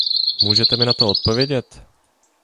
Můžete mi na to odpovědět?